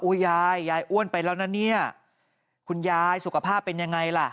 ยายยายอ้วนไปแล้วนะเนี่ยคุณยายสุขภาพเป็นยังไงล่ะ